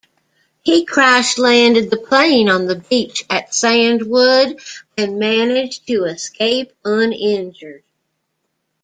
He crash-landed the plane on the beach at Sandwood, and managed to escape uninjured.